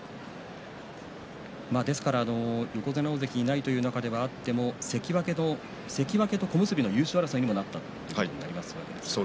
ですから横綱、大関がいないという中ではあっても関脇と小結の優勝争いにもなったということもあります。